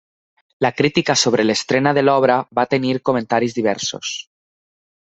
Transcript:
La crítica sobre l'estrena de l'obra va tenir comentaris diversos.